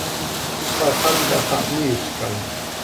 Hax antá xah miizcam.